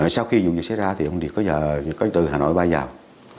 sau khi vụ việc xảy ra thì ông điệt có từ hà nội bay vào